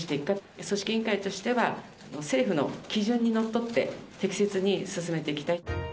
組織委員会としては政府の基準にのっとって、適切に進めていきた